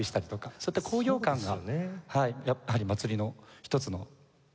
そういった高揚感がやっぱり祭りの一つの醍醐味だったんですね。